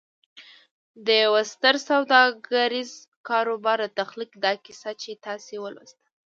د يوه ستر سوداګريز کاروبار د تخليق دا کيسه چې تاسې ولوسته.